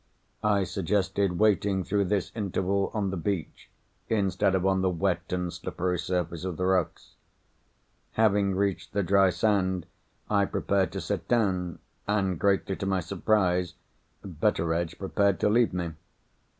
I suggested waiting through this interval on the beach, instead of on the wet and slippery surface of the rocks. Having reached the dry sand, I prepared to sit down; and, greatly to my surprise, Betteredge prepared to leave me.